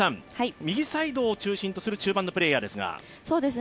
右サイドを中心とする中盤のプレーヤーですが。